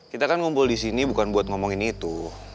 kita kan ngumpul di sini bukan buat ngomongin itu